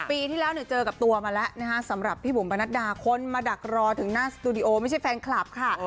ปีที่แล้วเนี่ยเจอกับตัวมาแล้วนะคะสำหรับพี่บุ๋มประนัดดาคนมาดักรอถึงหน้าสตูดิโอไม่ใช่แฟนคลับค่ะ